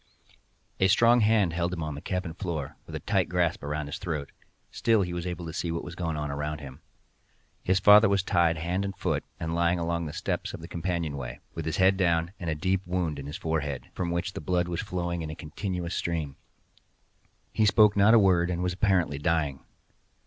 A strong hand held him on the cabin floor, with a tight grasp upon his throat; still he was able to see what was going on around him. His father was tied hand and foot, and lying along the steps of the companion way, with his head down, and a deep wound in the forehead, from which the blood was flowing in a continued stream. He spoke not a word, and was apparently dying.